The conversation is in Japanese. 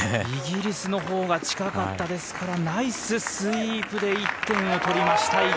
イギリスのほうが近かったですからナイススイープで１点を取りました。